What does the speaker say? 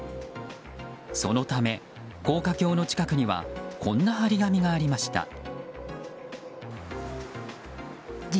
そのため、高架橋の近くにはこんな貼り紙がありました。